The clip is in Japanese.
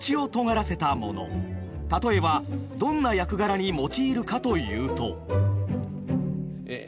例えばどんな役柄に用いるかというと。